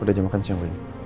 udah jam makan siang mbak